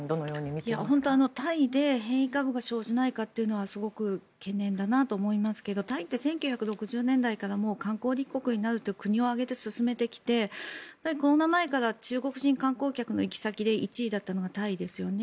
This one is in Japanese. タイで変異株が生じないかはすごく懸念だなと思いますがタイって１９６０年代から観光立国になると国を挙げて進めてきてコロナ前から行き先で１位だったのがタイですよね。